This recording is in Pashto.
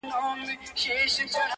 د مرګي لښکري بند پر بند ماتیږي!!